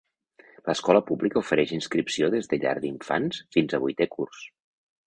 L'escola pública ofereix inscripció des de llar d'infants fins a vuitè curs.